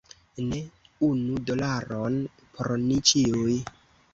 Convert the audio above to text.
Ne, unu dolaron por ni ĉiuj.